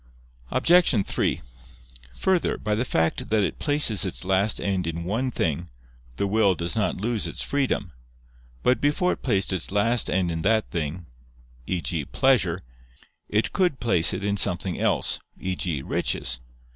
Obj. 3: Further, by the fact that it places its last end in one thing, the will does not lose its freedom. But before it placed its last end in that thing, e.g. pleasure, it could place it in something else, e.g. riches.